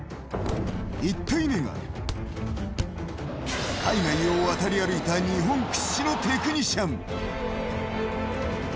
１体目が、海外を渡り歩いた日本屈指のテクニシャン。